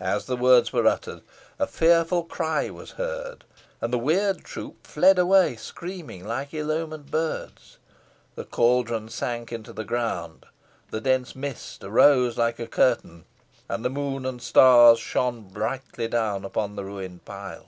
As the words were uttered, a fearful cry was heard, and the weird troop fled away screaming, like ill omened birds. The caldron sank into the ground; the dense mist arose like a curtain; and the moon and stars shone brightly down upon the ruined pile.